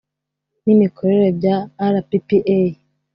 n imikorere bya rppa